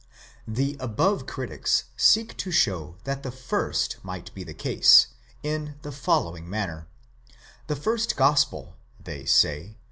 The above critics seek to show that the first might be the case, in the following manner. The first gospel, they say